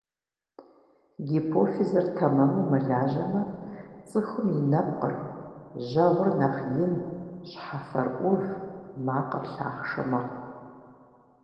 Гипофизыр тэмэму мылажьэмэ, цӀыхум и нэпкъыр, жьэгъур нэхъ ин, щхьэфэр Ӏув, макъыр лъахъшэ мэхъу.